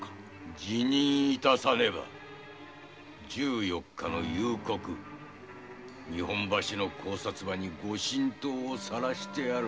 辞任致さねば十四日の夕刻日本橋の高札場に御神刀を晒してやる。